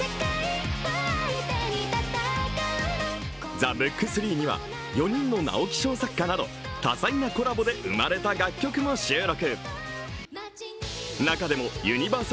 「ＴＨＥＢＯＯＫ３」には、４人の直木賞作家など多彩なコラボで生まれた楽曲も収録。